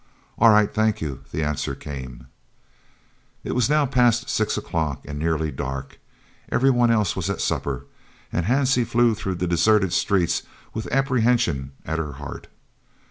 "All right, thank you," the answer came. It was now past 6 o'clock and nearly dark. Every one else was at supper, and Hansie flew through the deserted streets with apprehension at her heart.